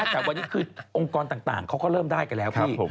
แต่วันนี้คือองค์กรต่างเขาก็เริ่มได้กันแล้วพี่